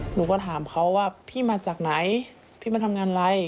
หนูก็ถามเขาว่าพี่มาจากไหนพี่มาทำงานอะไร